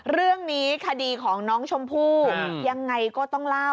เรื่องนี้คดีของน้องชมพู่ยังไงก็ต้องเล่า